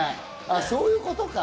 そういうことか。